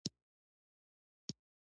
کورس د نویو زده کړو فرصت دی.